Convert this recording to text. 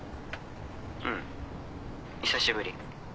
うん久しぶり。